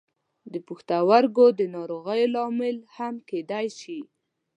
د پښتورګو د ناروغیو لامل هم کیدای شي.